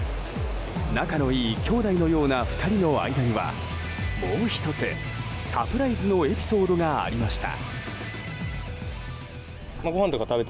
仲のいい兄弟のような２人の間にはもう１つ、サプライズのエピソードがありました。